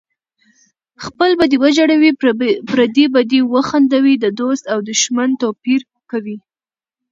خپل به دې وژړوي پردی به دې وخندوي د دوست او دښمن توپیر کوي